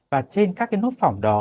và trên các cái nốt phỏng đó